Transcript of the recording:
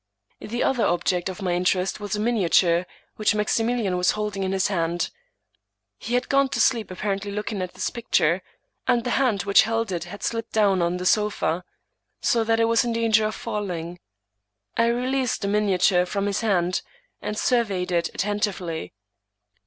The other object of my interest was a miniature, which Maximilian was holding in his hand. He had gone to sleep apparently looking at this picture; and the hand which held it had slipped down upon the sofa, so that it 124 Thomas De Quincey was in danger of falling. I released the miniature from his hand, and surveyed it attentively.